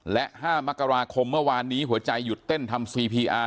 และ๕มกราคมเมื่อวานนี้หัวใจหยุดเต้นทำซีพีอาร์